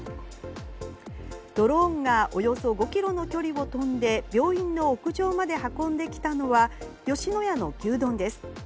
ドローンがおよそ５ｋｍの距離を飛んで病院の屋上まで運んできたのは吉野家の牛丼です。